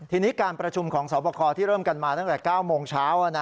ทีนี้การประชุมของสอบคอที่เริ่มกันมาตั้งแต่๙โมงเช้า